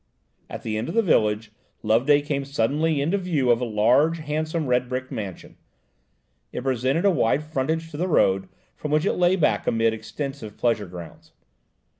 At the end of the village, Loveday came suddenly into view of a large, handsome, red brick mansion. It presented a wide frontage to the road, from which it lay back amid extensive pleasure grounds.